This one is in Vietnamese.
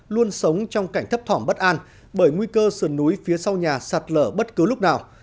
luôn sống trong cảnh thấp thỏm bất an bởi nguy cơ sườn núi phía sau nhà sạt lở bất cứ lúc nào